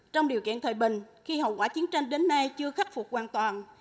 trong điều kiện thời bình khi hậu quả chiến tranh đến nay chưa khắc phục hoàn toàn